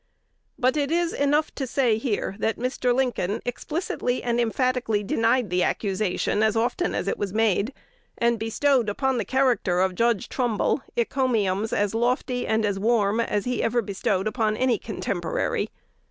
But it is enough to say here, that Mr. Lincoln explicitly and emphatically denied the accusation as often as it was made, and bestowed upon the character of Judge Trumbull encomiums as lofty and as warm as he ever bestowed upon any contemporary.